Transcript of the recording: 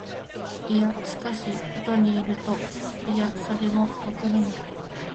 いや、しかし、ことに依ると、いや、それもわからない、